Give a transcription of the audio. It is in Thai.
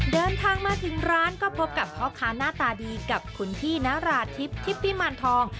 เดินทางมาถึงร้านก็พบกับพ่อค้าหน้าตาดีกับคุณพี่นาราธิบทิพพิมารทอง